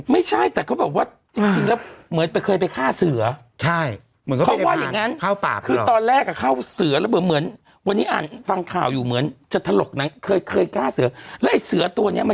ไม่ใช่แต่เขาบอกว่าจริงแล้วเหมือนไปเคยข้าเศร้า